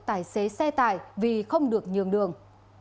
tài xế xe tải vì không được nhường đường